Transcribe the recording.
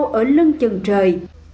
nằm ở lưng chân trời